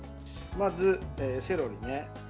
まずセロリね。